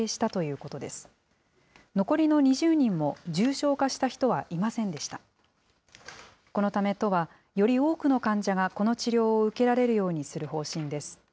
このため都は、より多くの患者がこの治療を受けられるようにする方針です。